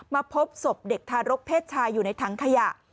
พบศพเด็กทารกเพศชายอยู่ในถังขยะ